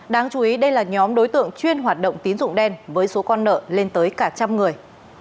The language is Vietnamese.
đáng chú ý đây là nhóm đối tượng chuyên hoạt động tín dụng đen với số con nợ lên tới cả trăm người